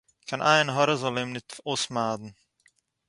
קיין עין–הרע זאָל אים ניט אויסמײַדן!